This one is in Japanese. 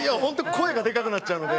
声がでかくなっちゃうので。